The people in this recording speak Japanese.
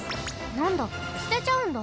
なんだすてちゃうんだ。